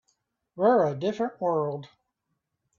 We're a different world.